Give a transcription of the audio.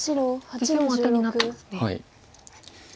実戦もアテになってますね。